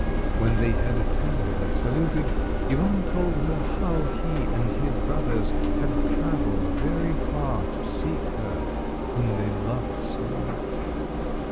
When they had tenderly saluted, Ivan told her how he and his brothers had travelled very far to seek her whom they loved so much.